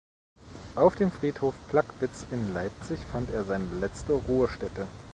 Auf dem Friedhof Plagwitz in Leipzig fand er seine letzte Ruhestätte.